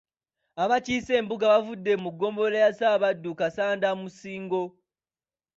Abaakiise embuga baavudde mu ggombolola ya Ssaabaddu Kassanda mu Ssingo.